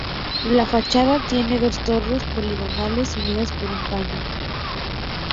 La fachada tiene dos torres poligonales unidas por un paño.